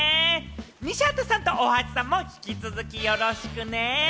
西畑さんと大橋さんも引き続きよろしくね。